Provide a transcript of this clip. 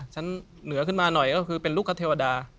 เหนือขึ้นมาหน่อยก็คือเป็นลูกคเทวดา